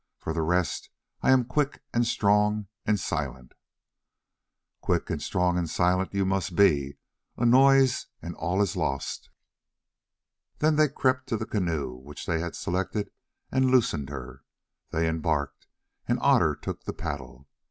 For the rest I am quick and strong and silent." "Quick and strong and silent you must be. A noise, and all is lost." Then they crept to the canoe which they had selected and loosened her. They embarked and Otter took the paddle.